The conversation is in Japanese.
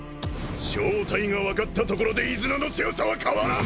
正体が分かったところで飯綱の強さは変わらん！